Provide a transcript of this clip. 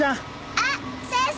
あっ先生！